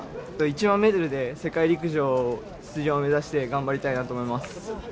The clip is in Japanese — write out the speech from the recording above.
１００００ｍで世界陸上出場を目指して頑張りたいと思います。